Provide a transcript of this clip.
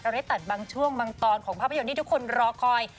ได้ตัดบางช่วงบางตอนของภาพยนตร์ที่ทุกคนรอคอย